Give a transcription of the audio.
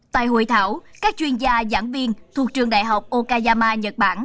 tại hội thảo các chuyên gia giảng viên thuộc trường đại học okayama nhật bản